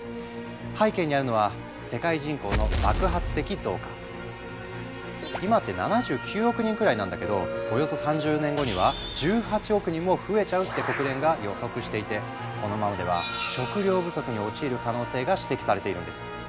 背景にあるのは今って７９億人くらいなんだけどおよそ３０年後には１８億人も増えちゃうって国連が予測していてこのままでは食糧不足に陥る可能性が指摘されているんです。